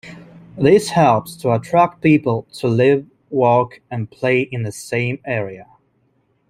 This helps to attract people to live, work and play in the same area.